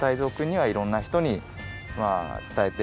はい。